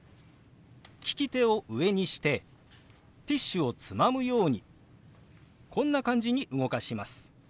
利き手を上にしてティッシュをつまむようにこんな感じに動かします。